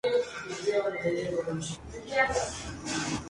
Destaca por sus sandías.